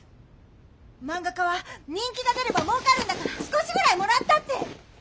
マンガ家は人気が出ればもうかるんだから少しぐらいもらったって。